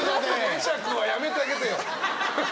会釈はやめてあげてよ。